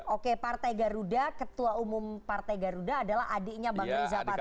oke partai garuda ketua umum partai garuda adalah adiknya bang reza patria